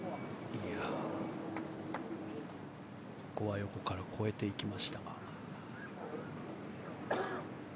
ここは横から越えていきました。